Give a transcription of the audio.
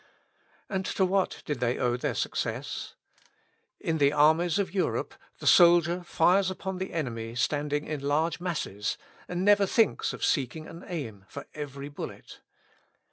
And to what did they owe their success ? In the armies of Europe the soldier fires upon the enemy standing in large masses, and never thinks of seeking an aim for every bullet.